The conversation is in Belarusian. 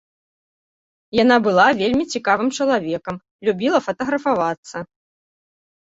Яна была вельмі цікавым чалавекам, любіла фатаграфавацца.